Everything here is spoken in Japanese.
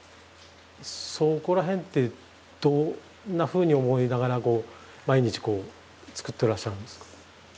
そこら辺ってどんなふうに思いながら毎日つくってらっしゃるんですか？